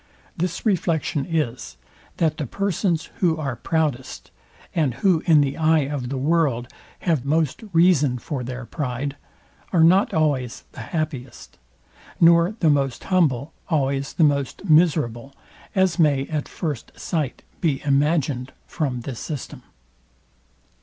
This reflection is, that the persons, who are proudest, and who in the eye of the world have most reason for their pride, are not always the happiest; nor the most humble always the most miserable, as may at first sight be imagined from this system.